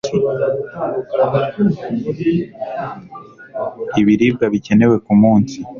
ibribwa bikenewe ku munsi